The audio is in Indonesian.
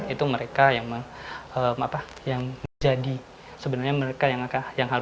itu mereka yang